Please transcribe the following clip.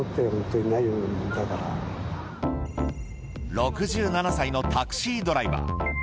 ６７歳のタクシードライバー。